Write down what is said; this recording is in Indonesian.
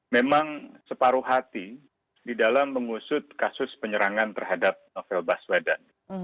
memang separuh hati di dalam mengusut kasus penyerangan terhadap novel baswedan